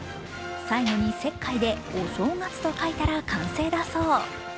最後に石灰で「お正月」と書いたら完成だそう。